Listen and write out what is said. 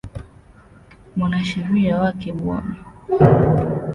Mwanasheria wake Bw.